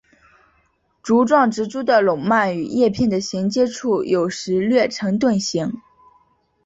茁壮植株的笼蔓与叶片的衔接处有时略呈盾形。